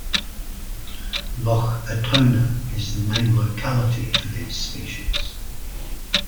Lough Atona is the main locality for these species.